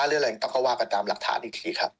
หรืออะไรก็ว่ากันตามหลักฐานอีกทีครับ